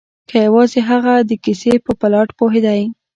که یوازې هغه د کیسې په پلاټ پوهیدای